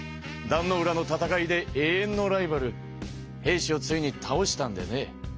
壇ノ浦の戦いで永遠のライバル平氏をついにたおしたんでね。